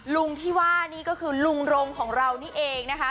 ลุงที่ว่านี่ก็คือลุงรงของเรานี่เองนะคะ